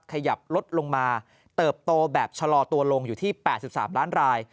ขยับลดลงมาเติบโตแบบชะลอตัวลงอยู่ที่๘๓ล้านราย